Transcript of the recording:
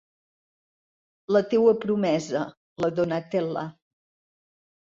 La teua promesa, la Donatella.